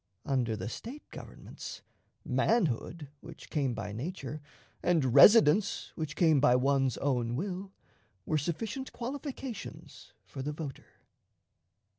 Under the State governments, manhood, which came by nature, and residence, which came by one's own will, were sufficient qualifications for the voter.